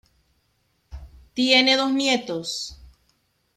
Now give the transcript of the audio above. Tiene dos nietos.